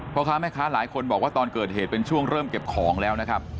พ่อค้าแม่ค้าหลายคนบอกว่าตอนเกิดเหตุเป็นช่วงเริ่มเก็บของแล้วนะครับ